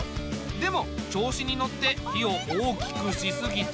でも調子に乗って火を大きくしすぎて。